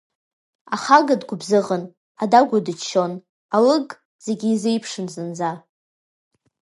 Ахага дгәыбзыӷын, адагәа дыччон, алыг зегь изеиԥшын зынӡа.